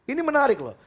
ini menarik loh